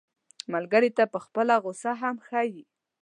ملګری ته خپله غوسه هم ښيي